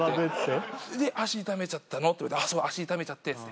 「で足痛めちゃったの？」って言われてそう足痛めちゃってっつって。